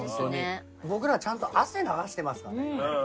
僕らちゃんと汗流してますからね。